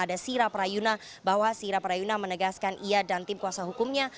ada sira prayuna bahwa sira prayuna menegaskan ia dan tim kuasa hukumnya